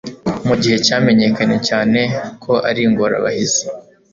Mugihe cyamenyekanye cyane ko ari ingorabahizi